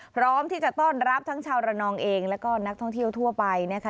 พร้อมที่จะต้อนรับทั้งชาวระนองเองแล้วก็นักท่องเที่ยวทั่วไปนะคะ